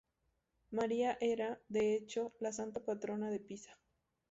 María era, de hecho, la Santa Patrona de Pisa.